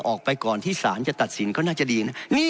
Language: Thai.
ออกไปก่อนที่ศาลจะตัดสินก็น่าจะดีนะ